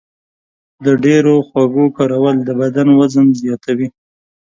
د ډېرو خوږو کارول د بدن وزن زیاتوي.